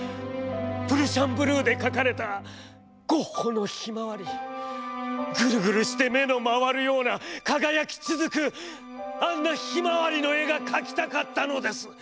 プルシャンブルーで描かれたゴッホのひまわりグルグルして目の廻るような輝きつづくあんなひまわりの絵が描きたかったのです。